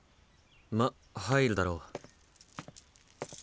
まっ入るだろ。